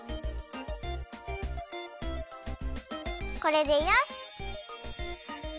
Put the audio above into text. これでよし！